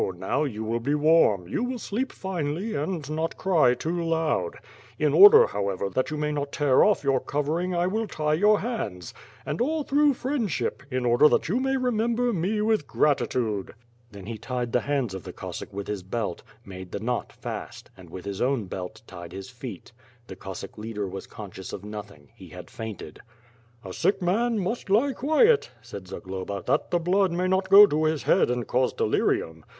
now, you will be warm; you will sleep finely, and not cry too loud. In order, however, that you may not tear off your covering I will tie your hands, and all through friendship, in order that you may remember me with gratitude." Then he tied the hands of the Cossack with his belt, made the knc>t fast; and, with his own belt, tied his feet. The Cos sack leader was conscious of nothing; he had fainted. •*A sick man must lie quiet," said Zagloba, "that the blood may not go to his head and cause delirium.